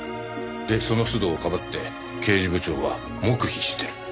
でその須藤をかばって刑事部長は黙秘してる。